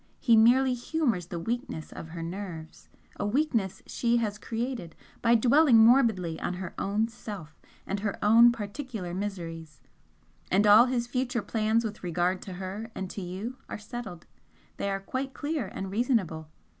He merely humours the weakness of her nerves, a weakness she has created by dwelling morbidly on her own self and her own particular miseries, and all his future plans with regard to her and to you are settled. They are quite clear and reasonable.